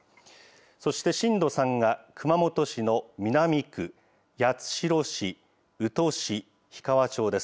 そして震度３が熊本市の南区、八代市、宇土市、氷川町です。